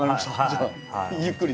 じゃあゆっくりね。